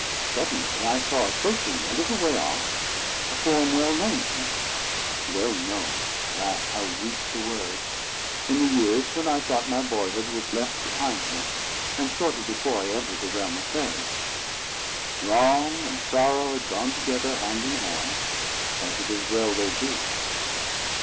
Suddenly I saw approaching me, a little way off, a form well known to me (well known!—alas, how weak the word!) in the years when I thought my boyhood was left behind, and shortly before I entered the realm of Fairy Land. Wrong and Sorrow had gone together, hand in hand as it is well they do.